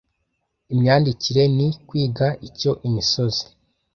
Imyandikire ni kwiga icyo Imisozi